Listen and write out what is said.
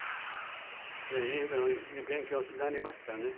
いい勉強になりましたね。